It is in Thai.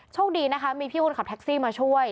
โชคดีนะคะมีพี่คนขับแท็กซี่มาช่วย